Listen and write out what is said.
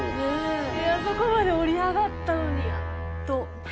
あそこまで織り上がったのにやっと。